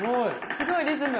すごいリズム。